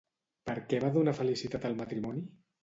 Per què va donar felicitat al matrimoni?